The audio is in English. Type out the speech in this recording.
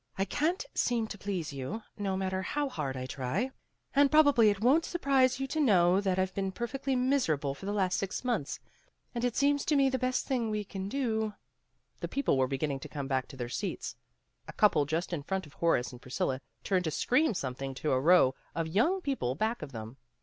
I can't seem to please you, no matter how hard I try, and probably it won 't surprise you to know that I've been perfectly miserable for the last six months. And it seems to me the best thing we can do : The people were beginning to come back to AT THE FOOT BALL GAME 207 their seats. A couple just in front of Horace and Priscilla turned to scream something to a row of young people back of them.